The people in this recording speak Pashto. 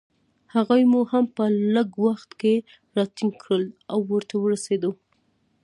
هغوی مو هم په لږ وخت کې راټینګ کړل، او ورته ورسېدو.